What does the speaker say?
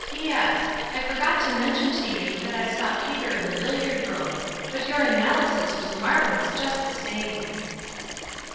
"P.S. I forgot to mention to you that I saw Peter in the billiard room. But your analysis was marvellous just the same."